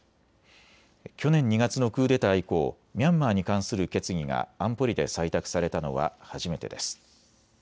去年２月のクーデター以降、ミャンマーに関する決議が安保理で採択されたのは初めてです。